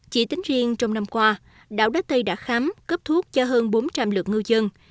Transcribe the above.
chỉ tính riêng trong năm qua đảo đất tây đã khám cấp thuốc cho hơn bốn trăm linh lượt ngư dân